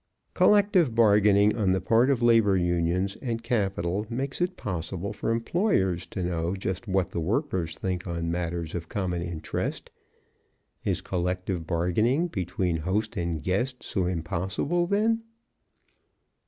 Collective bargaining on the part of labor unions and capital makes it possible for employers to know just what the workers think on matters of common interest. Is collective bargaining between host and guest so impossible, then?